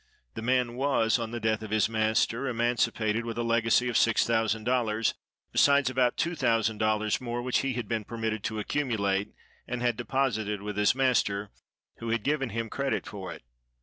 This man was, on the death of his master, emancipated with a legacy of six thousand dollars, besides about two thousand dollars more which he had been permitted to accumulate, and had deposited with his master, who had given him credit for it.